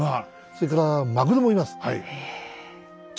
それからマグロもいます。